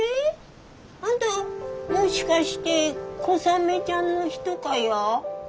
あんたもしかしてコサメちゃんの人かや？